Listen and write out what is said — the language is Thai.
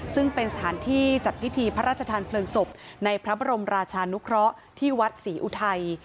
ซึ่งเป็นสถานที่จัดพิธีพระราชทานเพลิงศพในพระบรมราชานุเคราะห์ที่วัดศรีอุทัย